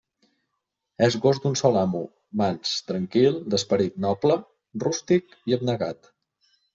És gos d'un sol amo, mans, tranquil, d'esperit noble, rústic i abnegat.